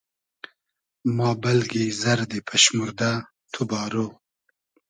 ما بئلگی زئردی پئشموردۂ , تو بارۉ